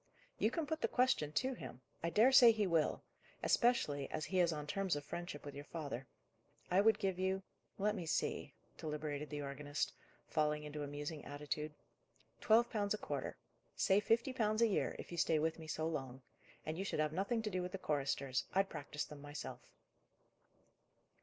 "You can put the question to him. I dare say he will: especially as he is on terms of friendship with your father. I would give you let me see," deliberated the organist, falling into a musing attitude "twelve pounds a quarter. Say fifty pounds a year; if you stay with me so long. And you should have nothing to do with the choristers: I'd practise them myself."